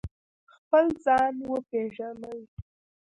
خپل ځان وپیژنئ